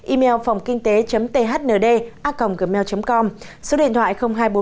email phòngkinh tế thnd a gmail com số điện thoại hai trăm bốn mươi ba hai trăm sáu mươi sáu chín nghìn năm trăm linh ba